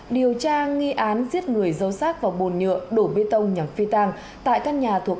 điều tra nghi án giết người giấu sát vào bồn nhựa đổ bê tông nhằm phi tàng tại căn nhà thuộc